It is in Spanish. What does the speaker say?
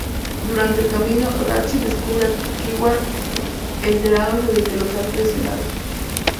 Durante el camino, Ratchet descubre a Qwark, enterándose de que los ha traicionado.